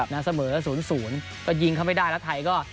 เสมอ๐๐ก็ยิงเขาไม่ได้แล้วไทยก็